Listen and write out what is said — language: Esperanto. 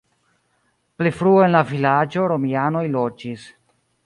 Pli frue en la vilaĝo romianoj loĝis.